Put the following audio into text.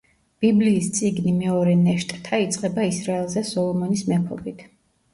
ბიბლიის წიგნი „მეორე ნეშტთა“ იწყება ისრაელზე სოლომონის მეფობით.